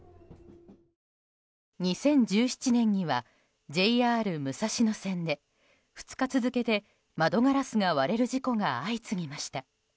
２０１７年には、ＪＲ武蔵野線で２日続けて窓ガラスが割れる事故が相次ぎました。